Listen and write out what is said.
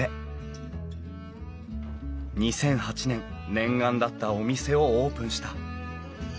２００８年念願だったお店をオープンした。